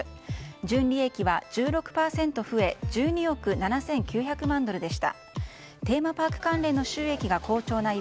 純利益は１６％増え１２億７９００万ドルでした。